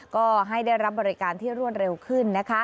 ก็ให้ได้รับบริการที่รวดเร็วขึ้นนะคะ